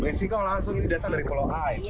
beli singkong langsung didatang dari pulau ai